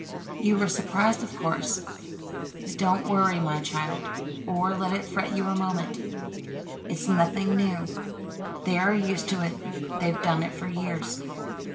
"You were surprised, of course. But don't worry, my child, or let it fret you a moment. It's nothing new. They are used to it. They have done it for years."